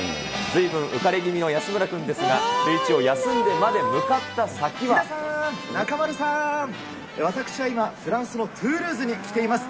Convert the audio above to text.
ずいぶん浮かれ気味の安村君ですが、シューイチを休んでまでヒデさん、中丸さん、私は今、フランスのトゥールーズに来ています。